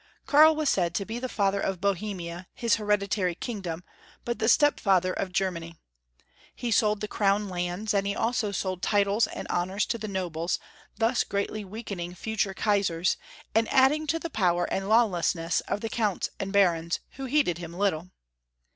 Kai'l was said to be the father of Bohemia, his hereditary kingdom, but the step father of Ger many. He sold the crown lands, and he also sold titles and honors to the nobles, thus greatly weak ening future Kaisars, and adding to the power and lawlessness of the counts and barons, who heeded him little.